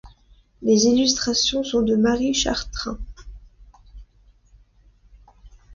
Les illustrations sont de Marie Chartrain.